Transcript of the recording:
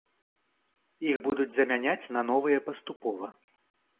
Іх будуць замяняць на новыя паступова.